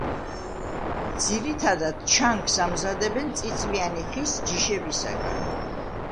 ძირითადად, ჩანგს ამზადებენ წიწვიანი ხის ჯიშებისაგან.